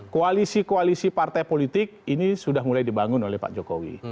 koalisi koalisi partai politik ini sudah mulai dibangun oleh pak jokowi